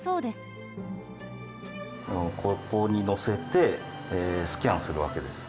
ここに乗せてスキャンするわけです。